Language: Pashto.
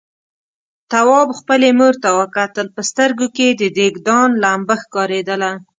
تواب خپلې مور ته وکتل، په سترګوکې يې د دېګدان لمبه ښکارېدله.